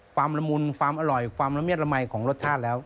ละมุนความอร่อยความละเมียดละมัยของรสชาติแล้ว